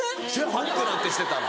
パックなんてしてたら。